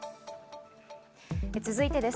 続いてです。